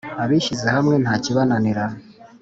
“Abishyize hamwe nta kibananira”.